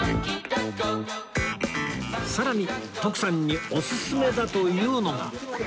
さらに徳さんにおすすめだというのが